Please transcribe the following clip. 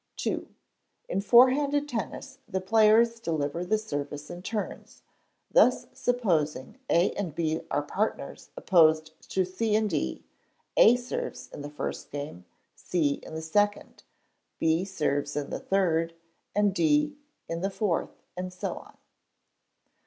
ii. In Four handed Tennis the players deliver the service in turns: thus supposing A and B are partners opposed to C and D; A serves in the first game, C in the second, B serves in the third, and D in the fourth, and so on.